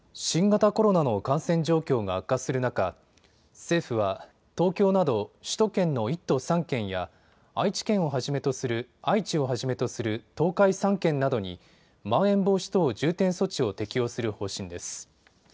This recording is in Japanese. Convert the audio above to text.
新型コロナの感染状況が悪化する中、政府は東京など首都圏の１都３県や愛知をはじめとする東海３県などにまん延防止等重点措置を適用する方針です。